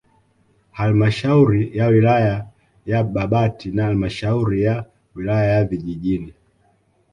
Halmashauri ya wilaya ya Babati na halmashauri ya wilaya ya vijijini